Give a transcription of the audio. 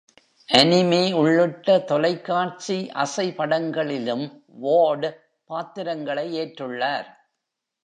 அனிமெ உள்ளிட்ட தொலைக்காட்சி அசைபடங்களிலும் வார்ட் பாத்திரங்களை ஏற்றுள்ளார்.